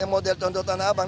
model contoh tanah abang